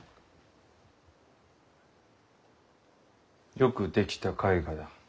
よく出来た絵画だ。